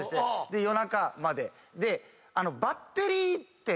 で夜中まで。